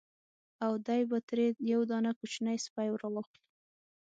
او دی به ترې یو دانه کوچنی سپی را واخلي.